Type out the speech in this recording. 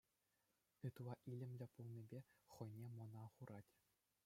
Ытла илемлӗ пулнипе хӑйне мӑна хурать.